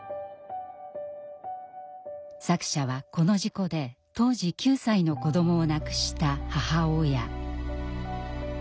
作者はこの事故で当時９歳の子どもを亡くした母親。